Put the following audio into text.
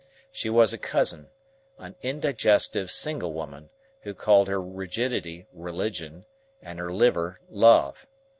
She was a cousin,—an indigestive single woman, who called her rigidity religion, and her liver love.